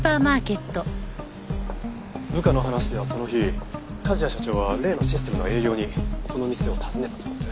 部下の話ではその日梶谷社長は例のシステムの営業にこの店を訪ねたそうです。